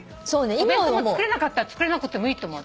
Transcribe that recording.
お弁当も作れなかったら作れなくってもいいと思う。